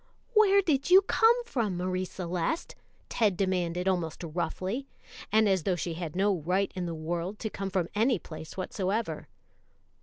"Where did you come from, Marie Celeste?" Ted demanded almost roughly, and as though she had no right in the world to come from any place whatsoever.